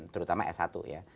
terutama s satu ya